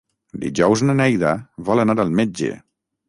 Dijous na Neida vol anar al metge.